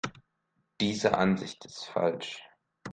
Diese Ansicht ist falsch.